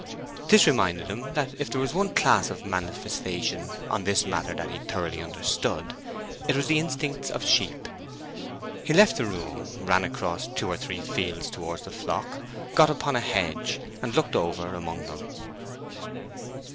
This reminded him that if there was one class of manifestation on this matter that he thoroughly understood, it was the instincts of sheep. He left the room, ran across two or three fields towards the flock, got upon a hedge, and looked over among them.